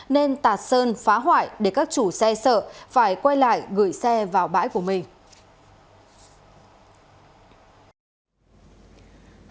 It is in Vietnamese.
nên tạt sơn phá hoại để các chủ xe sợ phải quay lại gửi xe vào bãi của mình